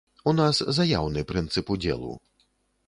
У нас заяўны прынцып удзелу.